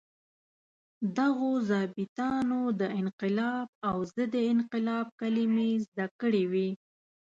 دغو ظابیطانو د انقلاب او ضد انقلاب کلمې زده کړې وې.